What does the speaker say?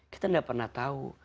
kita gak pernah tahu